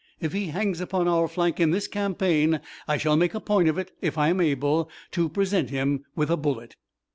If he hangs upon our flank in this campaign I shall make a point of it, if I am able, to present him with a bullet."